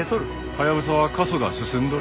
ハヤブサは過疎が進んどる。